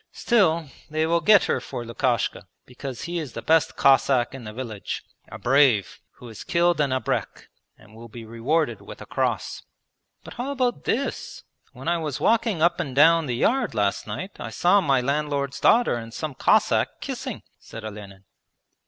Still, they will get her for Lukashka, because he is the best Cossack in the village, a brave, who has killed an abrek and will be rewarded with a cross.' 'But how about this? When I was walking up and down the yard last night, I saw my landlord's daughter and some Cossack kissing,' said Olenin.